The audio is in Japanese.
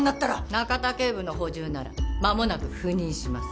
中田警部の補充ならまもなく赴任します。